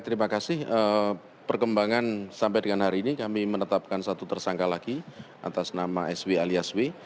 terima kasih perkembangan sampai dengan hari ini kami menetapkan satu tersangka lagi atas nama sw alias w